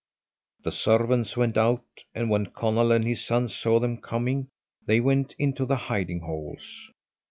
The servants went out, and when Conall and his sons saw them coming they went into the hiding holes.